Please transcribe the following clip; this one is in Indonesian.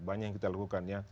banyak yang kita lakukan ya